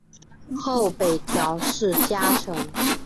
后北条氏家臣。